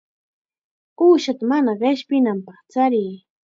Uushata mana qishpinanpaq chariy.